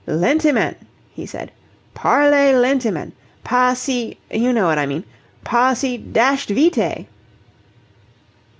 "Lentement," he said. "Parlez lentement. Pas si you know what I mean pas si dashed vite!"